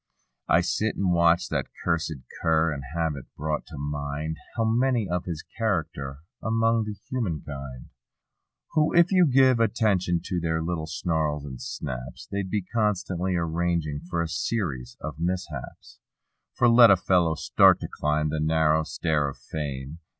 I sit and watch that cussed cur and have it brought to mind How many of his character among the human kind Who, if you give attention to their little snarls and snaps. They'd be constantly arranging for a series of mis¬ haps. For let a fellow start to climb the narrow stair of fame.